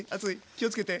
気をつけて。